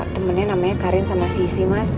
temennya namanya karin sama sisi mas